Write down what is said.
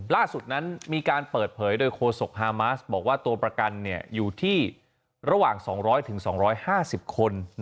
ล่าสุดนั้นมีการเปิดเผยโดยโคศกฮามาสบอกว่าตัวประกันอยู่ที่ระหว่าง๒๐๐๒๕๐คน